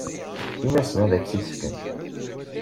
Ini-asen ad ak-tt-id-fken.